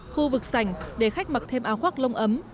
khu vực sành để khách mặc thêm áo khoác lông ấm